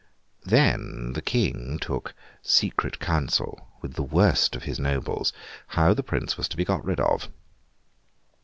Then, the King took secret counsel with the worst of his nobles how the Prince was to be got rid of.